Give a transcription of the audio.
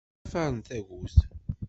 Ttemsafarren tagut.